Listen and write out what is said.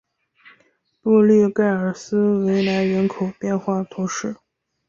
布利盖尔斯维莱人口变化图示